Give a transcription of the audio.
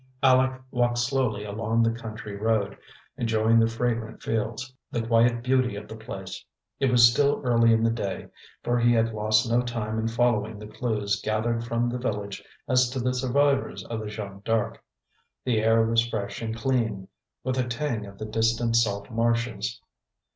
Aleck walked slowly along the country road, enjoying the fragrant fields, the quiet beauty of the place. It was still early in the day, for he had lost no time in following the clues gathered from the village as to the survivors of the Jeanne D'Arc. The air was fresh and clean, with a tang of the distant salt marshes.